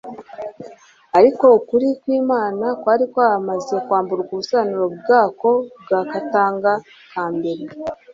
Ariko ukuri kw'Imana kwari kwaramaze kwamburwa ubusobanuro bwa ko bwa katanga ka mbere,